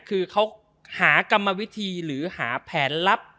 คือเขาหากรรมวิธีหรือหาแผนลับ